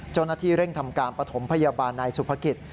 เจ้าหน้าที่เร่งทำการปฐมพยาบาลนายสุภกิจ